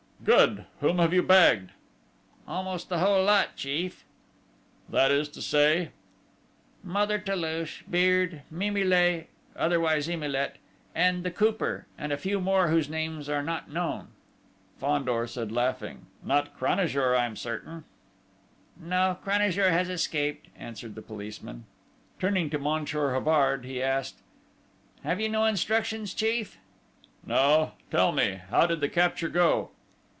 "Good! Whom have you bagged?" "Almost the whole lot, chief!" "That is to say?" "Mother Toulouche, Beard, Mimile, otherwise Emilet, and the Cooper and a few more whose names are not known." Fandor said, laughing: "Not Cranajour, I am certain." "No. Cranajour has escaped," answered the policeman. Turning to Monsieur Havard, he asked: "You have no instructions, chief?" "No. Tell me, how did the capture go?"